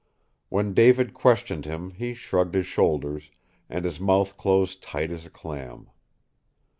When David questioned him he shrugged his shoulders, and his mouth closed tight as a clam.